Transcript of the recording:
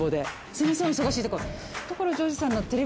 すいませんお忙しいとこ。